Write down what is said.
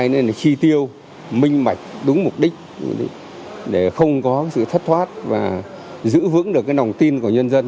nên là chi tiêu minh bạch đúng mục đích để không có sự thất thoát và giữ vững được cái lòng tin của nhân dân